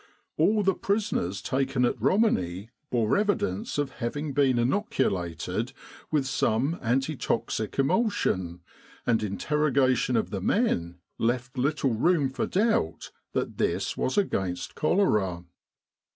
All the prisoners taken at Romani bore evidence of having been inoculated with some antitoxic emulsion, and interrogation of the men left little room for doubt that this was against cholera.